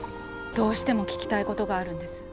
どうしても聞きたいことがあるんです。